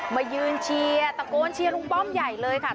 มายืนเชียร์ตะโกนเชียร์ลุงป้อมใหญ่เลยค่ะ